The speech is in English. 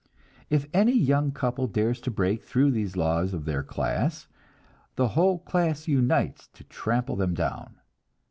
If any young couple dares to break through these laws of their class, the whole class unites to trample them down.